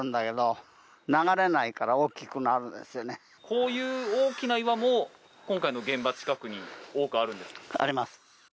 こういう大きな岩も今回の現場近くに多くあるんですか？